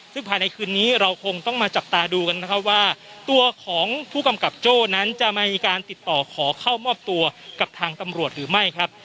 ซึ่งภายในคืนนี้เราคงต้องมาจับตาดูกันนะครับว่าตัวของผู้กำกับโจ้นั้นจะมีการติดต่อขอเข้ามอบตัวกับทางตำรวจหรือไม่ครับ